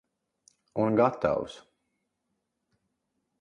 Un gatavs!